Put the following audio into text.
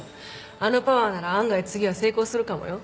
あのパワーなら案外次は成功するかもよ。